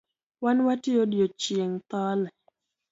Wan watiyo odiechieng’ thole